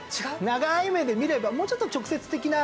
長い目で見ればもうちょっと直接的な。